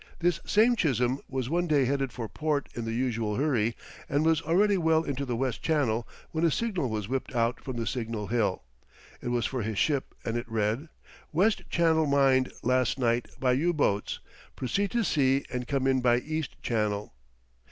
This same Chisholm was one day headed for port in the usual hurry and was already well into the west channel when a signal was whipped out from the signal hill. It was for his ship and it read: "West Channel mined last night by U boats. Proceed to sea and come in by East Channel."